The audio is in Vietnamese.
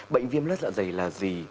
bệnh viêm lất dạ dày là gì